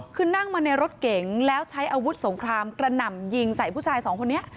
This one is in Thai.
คือนั่งมาในรถเก๋งแล้วใช้อาวุธสงครามกระหน่ำยิงใส่ผู้ชายสองคนนี้